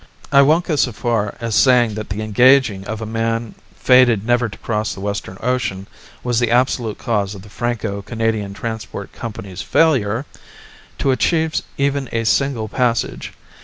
I won't go so far as saying that the engaging of a man fated never to cross the Western Ocean was the absolute cause of the Franco Canadian Transport Company's failure to achieve even a single passage.